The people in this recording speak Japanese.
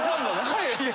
はい。